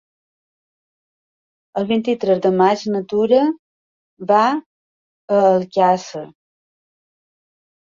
El vint-i-tres de maig na Tura va a Alcàsser.